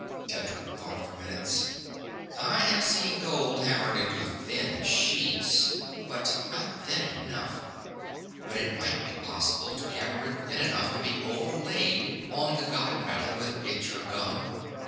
Tedric thought for minutes. "I have seen gold hammered into thin sheets ... but not thin enough ... but it might be possible to hammer it thin enough to be overlaid on the god metal with pitch or gum.